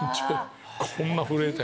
こんな震えて。